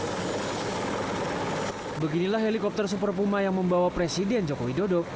jokowi dodo memilih kelas helikopter yang membawa presiden jokowi dodo